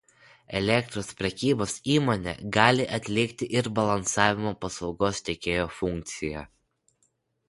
Elektros prekybos įmonė gali atlikti ir balansavimo paslaugos teikėjo funkciją.